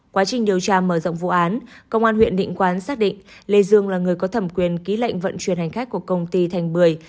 quá trình điều tra mở rộng vụ án công an huyện định quán xác định lê dương là người có thẩm quyền ký lệnh vận chuyển hành khách của công ty thành bưởi